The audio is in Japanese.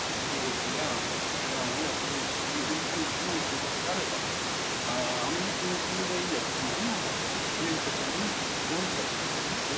中国が台湾を攻めたときに軍事介入をしないということであればアメリカの存在意義は一体、なんなんだということになると思うんですね。